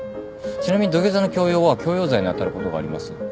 ちなみに土下座の強要は強要罪に当たることがあります。